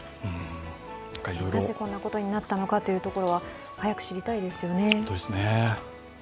なぜ、こんなことになったのかというところは早く知りたいですよね。